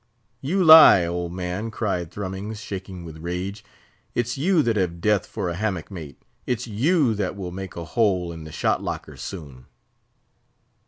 "You lie! old man," cried Thrummings, shaking with rage. "It's you that have Death for a hammock mate; it's you that will make a hole in the shot locker soon."